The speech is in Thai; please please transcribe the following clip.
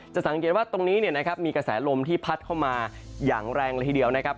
สังเกตว่าตรงนี้เนี่ยนะครับมีกระแสลมที่พัดเข้ามาอย่างแรงเลยทีเดียวนะครับ